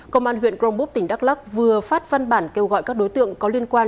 công an huyện crongbuk tỉnh đắk lắc vừa phát văn bản kêu gọi các đối tượng có liên quan